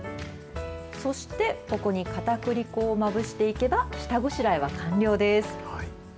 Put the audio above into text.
そして、ここにかたくり粉をまぶしていけば、下ごしらえは完了です。